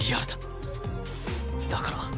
だから